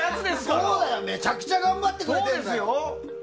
そうだよ、めちゃくちゃ頑張ってくれてるんだよ。